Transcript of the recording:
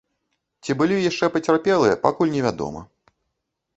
Ці былі яшчэ пацярпелыя, пакуль невядома.